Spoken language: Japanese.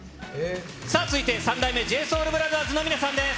さあ続いて、三代目ＪＳＯＵＬＢＲＯＴＨＥＲＳの皆さんです。